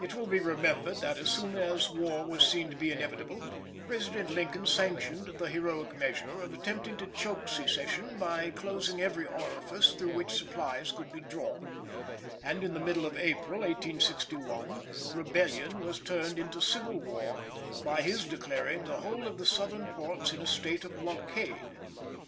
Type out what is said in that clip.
It will be remembered that, as soon as war was seen to be inevitable, President Lincoln sanctioned the heroic measure of attempting to choke secession by closing every orifice through which supplies could be drawn, and in the middle of April 1861 rebellion was turned into civil war by his declaring the whole of the Southern ports in a state of blockade.